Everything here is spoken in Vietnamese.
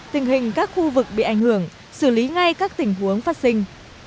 tình hình các khu vực bị ảnh hưởng xử lý ngay các tình huống phát sinh